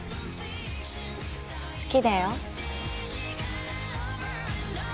好きだよ。